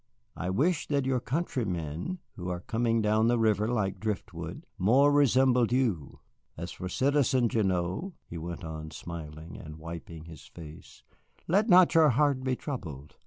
I wish that your countrymen, who are coming down the river like driftwood, more resembled you. As for Citizen Gignoux," he went on, smiling, and wiping his face, "let not your heart be troubled.